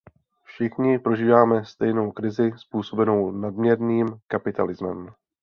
Všichni prožíváme stejnou krizi způsobenou nadměrným kapitalismem.